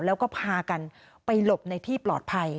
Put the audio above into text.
แล้วก็พากันไปหลบในที่ปลอดภัย